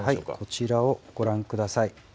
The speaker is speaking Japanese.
こちらをご覧ください。